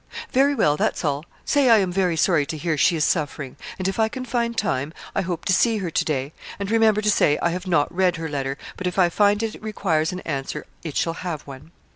'Very well; that's all. Say I am very sorry to hear she is suffering; and if I can find time, I hope to see her to day; and remember to say I have not read her letter, but if I find it requires an answer, it shall have one.'